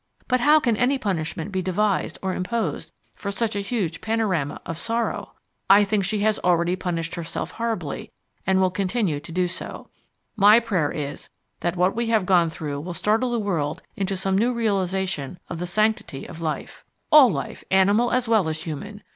But how can any punishment be devised or imposed for such a huge panorama of sorrow? I think she has already punished herself horribly, and will continue to do so. My prayer is that what we have gone through will startle the world into some new realization of the sanctity of life all life, animal as well as human.